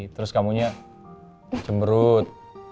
terus kamu nya cemberut